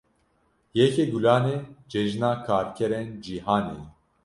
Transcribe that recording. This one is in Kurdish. Yekê Gulanê Cejina Karkerên Cîhanê ye.